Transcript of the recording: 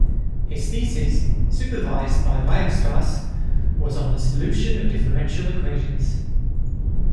His thesis, supervised by Weierstrass, was on the solution of differential equations.